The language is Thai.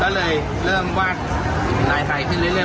ก็เลยเริ่มวาดนายไทยขึ้นเรื่อย